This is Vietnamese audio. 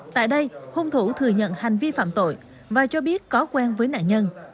tại đây hung thủ thừa nhận hành vi phạm tội và cho biết có quen với nạn nhân